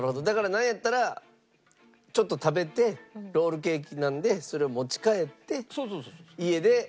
だからなんやったらちょっと食べてロールケーキなんでそれを持ち帰って家で。